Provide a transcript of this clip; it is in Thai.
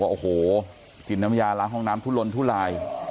โอ้โหกินน้ำยาล้างห้องน้ำทุลนทุลาย